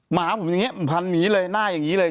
หมาผมอย่างนี้พันหมีเลยหน้าอย่างนี้เลย